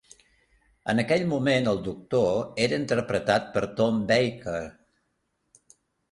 En aquell moment, el Doctor era interpretat per Tom Baker.